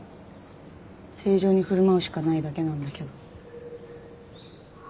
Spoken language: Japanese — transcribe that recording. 正常に振る舞うしかないだけなんだけど。